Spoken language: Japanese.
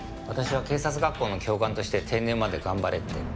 私は警察学校の教官として定年まで頑張れって。